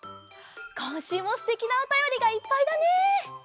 こんしゅうもすてきなおたよりがいっぱいだね！